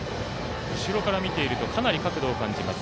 後ろから見ているとかなり角度を感じます。